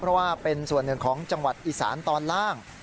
เพราะว่าเป็นส่วนหนึ่งของจังหวัดอีสานตอนล่าง